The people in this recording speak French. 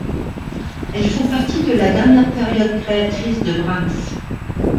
Elles font partie de la dernière période créatrice de Brahms.